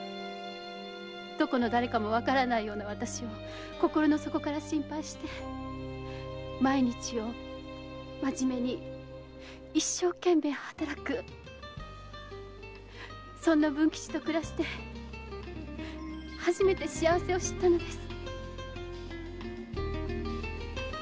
どこの誰かもわからないような私を心の底から心配して毎日を真面目に一生懸命働くそんな文吉と暮らして初めて幸せを知ったのです。